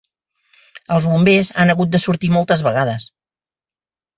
Els Bombers han hagut de sortir moltes vegades